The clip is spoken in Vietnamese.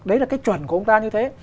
đấy là cái chuẩn của ông ta như thế